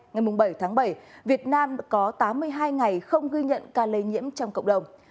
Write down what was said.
ngày bảy tháng bảy việt nam có tám mươi hai ngày không ghi nhận ca lây nhiễm trong cộng đồng